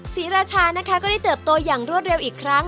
ศรีราชานะคะก็ได้เติบโตอย่างรวดเร็วอีกครั้ง